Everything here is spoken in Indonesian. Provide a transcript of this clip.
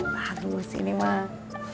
resep bagus ini mak